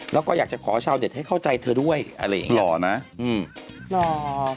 แล้วก็อยากจะขอชาวเด็ดให้เข้าใจเธอด้วยอะไรอย่างงี้